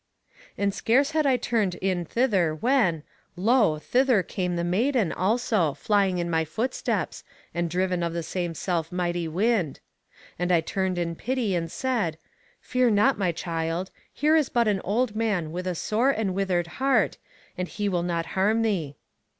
"'And scarce had I turned in thither when, lo! thither came the maiden also, flying in my footsteps, and driven of the self same mighty wind. And I turned in pity and said, Fear not, my child. Here is but an old man with a sore and withered heart, and he will not harm thee.